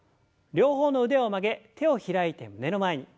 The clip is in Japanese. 両方の腕を曲げ手を開いて胸の前に。